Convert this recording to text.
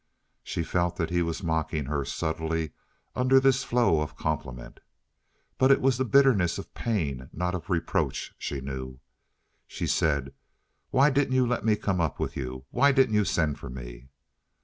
She felt that he was mocking her subtly under this flow of compliment. But it was the bitterness of pain, not of reproach, she knew. She said: "Why didn't you let me come up with you? Why didn't you send for me?"